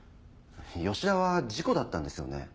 吉田は事故だったんですよね？